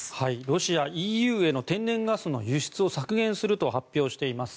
ロシアＥＵへの天然ガスの輸出を削減すると発表しています。